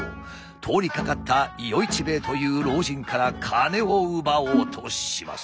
通りかかった与市兵衛という老人から金を奪おうとします。